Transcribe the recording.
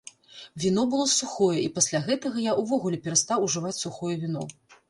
Віно было сухое, і пасля гэтага я ўвогуле перастаў ужываць сухое віно.